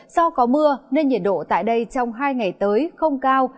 do có mưa nên nhiệt độ tại đây trong hai ngày tới không cao